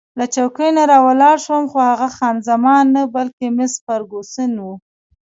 له چوکۍ نه راولاړ شوم، خو هغه خان زمان نه، بلکې مس فرګوسن وه.